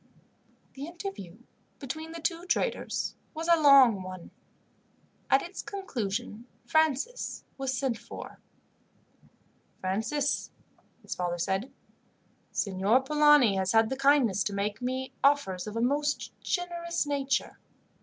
The interview between the two traders was a long one. At its conclusion Francis was sent for. "Francis," his father said, "Signor Polani has had the kindness to make me offers of a most generous nature."